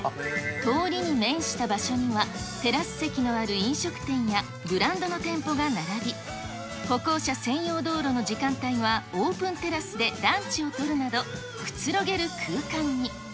通りに面した場所には、テラス席のある飲食店やブランドの店舗が並び、歩行者専用道路の時間帯はオープンテラスでランチをとるなど、くつろげる空間に。